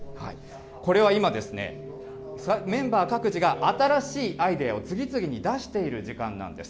これは今、メンバー各自が新しいアイデアを次々に出している時間なんです。